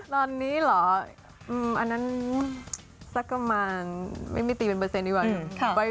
ตอนนี้เหรออันนั้นสักประมาณไม่ตีเป็นเปอร์เซ็นดีกว่า